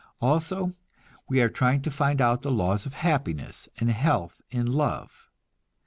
Also we are trying to find out the laws of happiness and health in love.